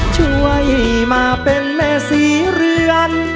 ช่วยมาเป็นแม่ศรีเรือน